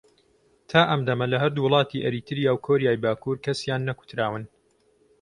تا ئەم دەمە لە هەردوو وڵاتی ئەریتریا و کۆریای باکوور کەسیان نەکوتراون